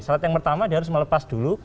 syarat yang pertama dia harus melepas dulu